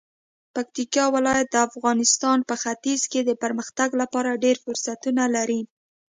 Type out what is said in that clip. پکتیکا ولایت د افغانستان په ختیځ کې د پرمختګ لپاره ډیر فرصتونه لري.